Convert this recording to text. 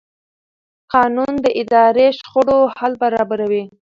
قانون د اداري شخړو حل برابروي.